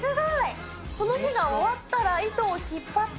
その日が終わったら糸を引っ張って。